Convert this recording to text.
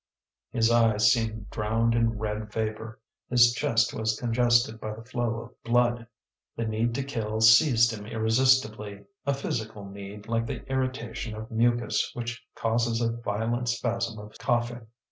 His eyes seemed drowned in red vapour, his chest was congested by the flow of blood. The need to kill seized him irresistibly, a physical need, like the irritation of mucus which causes a violent spasm of coughing.